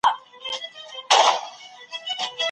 تاريخ تکراريږي که پام ونشي.